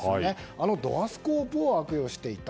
あのドアスコープを悪用していた。